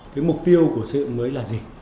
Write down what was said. cái mục tiêu của xây dựng nông thôn mới là gì